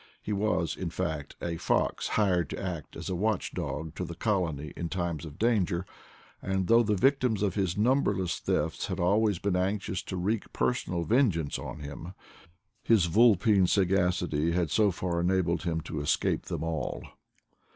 He was, in I fact, a fox hired to act as watch dog to the colony ; in times of danger; and though the victims of his V. numberless thefts had always been anxious to wreak personal vengeance on him, his vnlpine sa gacity had so far enabled him to escape them all.